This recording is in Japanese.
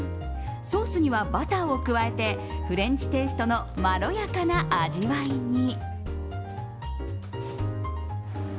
ソースにはバターを加えてフレンチテイストのまろやかな味わいに。